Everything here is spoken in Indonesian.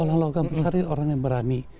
orang orang logam besar itu orang yang berani